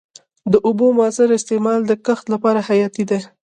د اوبو موثر استعمال د کښت لپاره حیاتي دی.